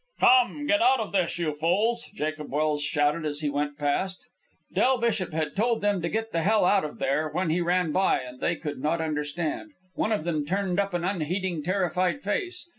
"Come! Get out of this, you fools!" Jacob Welse shouted as he went past. Del Bishop had told them to "get the hell out of there" when he ran by, and they could not understand. One of them turned up an unheeding, terrified face.